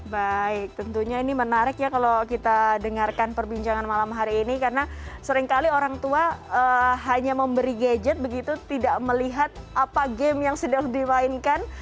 baik tentunya ini menarik ya kalau kita dengarkan perbincangan malam hari ini karena seringkali orang tua hanya memberi gadget begitu tidak melihat apa game yang sedang dimainkan